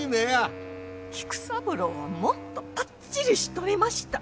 菊三郎はもっとパッチリしとりました。